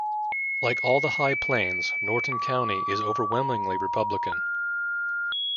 Like all the High Plains, Norton County is overwhelmingly Republican.